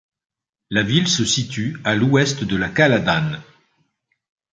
La ville se situe à l'ouest de la Kaladan.